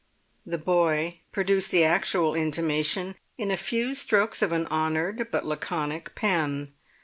The boy produced the actual intimation in a few strokes of an honoured but laconic pen.